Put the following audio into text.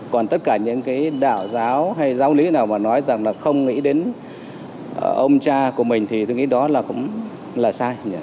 còn tất cả những cái đạo giáo hay giáo lý nào mà nói rằng là không nghĩ đến ông cha của mình thì tôi nghĩ đó là cũng là sai